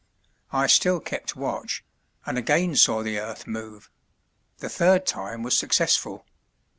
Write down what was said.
I still kept watch, and again saw the earth move the third time was successful.